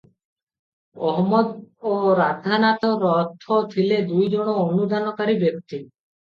ଅହମଦ ଓ ରାଧାନାଥ ରଥ ଥିଲେ ଦୁଇଜଣ ଅନୁଦାନକାରୀ ବ୍ୟକ୍ତି ।